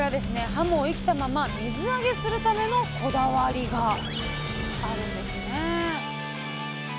はもを生きたまま水揚げするためのこだわりがあるんですね